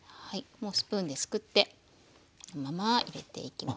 もうスプーンですくってこのまま入れていきます。